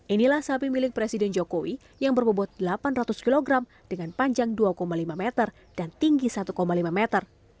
inilah sapi milik presiden jokowi yang berbobot delapan ratus kg dengan panjang dua lima meter dan tinggi satu lima meter